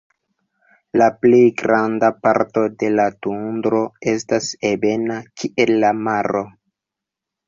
La pli granda parto de la tundro estas ebena kiel la maro.